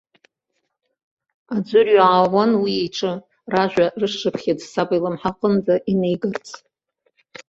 Аӡәырҩы аауан уи иҿы, ражәа, рышшԥхьыӡ саб илымҳа аҟынӡа инеигарц.